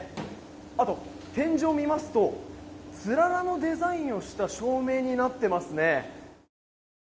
あと、天井を見ますとつららのデザインをした照明になっていますね。